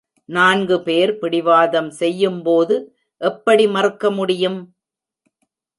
நான்கு பேர் பிடிவாதம் செய்யும்போது எப்படி மறுக்க முடியும்?